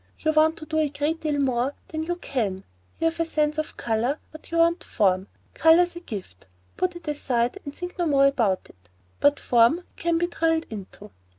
You want to do a great deal more than you can do. You have sense of colour, but you want form. Colour's a gift,—put it aside and think no more about it,—but form you can be drilled into.